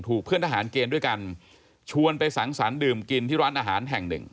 เพื่อนทหารเกณฑ์ด้วยกันชวนไปสังสรรค์ดื่มกินที่ร้านอาหารแห่งหนึ่ง